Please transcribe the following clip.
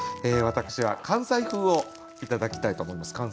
私は関西風をいただきたいと思います。